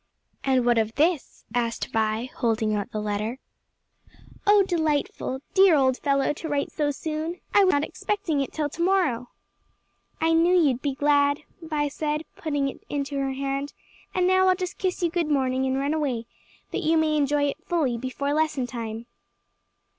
"And what of this?" asked Vi, holding up the letter. "Oh, delightful! dear old fellow, to write so soon. I was not expecting it till to morrow." "I knew you'd be glad," Vi said, putting it into her hand, "and now I'll just kiss you good morning and run away, that you may enjoy it fully before lesson time."